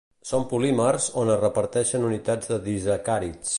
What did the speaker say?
Són polímers on es repeteixen unitats de disacàrids.